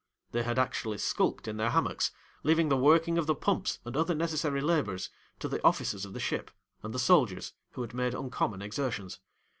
They had actually skulked in their hammocks, leaving the working of the pumps and other necessary labours to the officers of the ship, and the soldiers, who had made uncommon exertions.